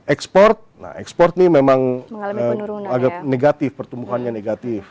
ekspor nah ekspor nih memang agak negatif pertumbuhannya negatif